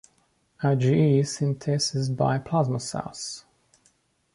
IgE is synthesised by plasma cells.